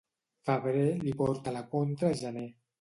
Febrer li porta la contra a gener.